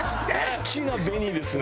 好きな紅ですね。